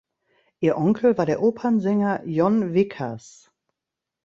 Ihr Onkel war der Opernsänger Jon Vickers.